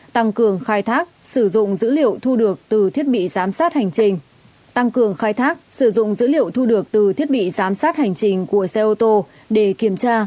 tăng cường khai thác sử dụng dữ liệu thu được từ thiết bị giám sát hành trình của xe ô tô để kiểm tra